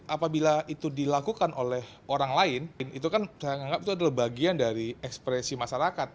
apabila itu dilakukan oleh orang lain itu kan saya anggap itu adalah bagian dari ekspresi masyarakat